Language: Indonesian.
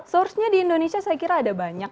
sourcenya di indonesia saya kira ada banyak